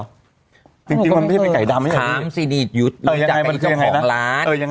จริงมันไม่ใช่ไก่ดำอย่างงี้คลามซีนีดยุทธ์หรือจากไก่เจ้าของร้าน